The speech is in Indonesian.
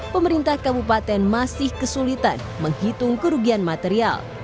pemerintah kabupaten masih kesulitan menghitung kerugian material